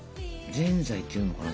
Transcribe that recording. ぜんざいっていうのかな？